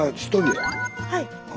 はい。